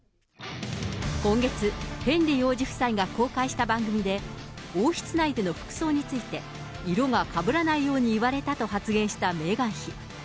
今月、ヘンリー王子夫妻が公開した番組で、王室内での服装について、色がかぶらないように言われたと発言したメーガン妃。